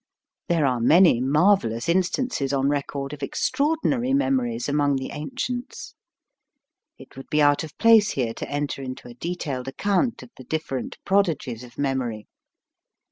There are many marvelous instances AND MOTION. 87 on record of extraordinary memories among the ancients. It would be out of place here to enter into a detailed account of the different prodigies of memory.